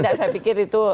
nggak saya pikir itu